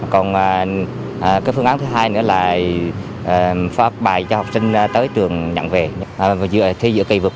còn cái phương án thứ hai nữa là phát bài cho học sinh tới trường nhận về